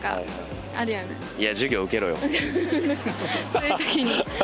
そういう時に。